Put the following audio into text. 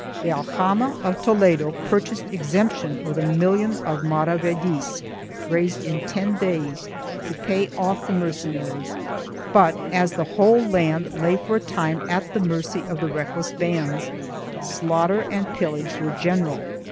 The aljama of Toledo pur chased exemption with a million of maravedis, raised in ten days, to pay off the mercenaries but, as the whole land lay for a time at the mercy of the reckless bands, slaughter and pillage were general.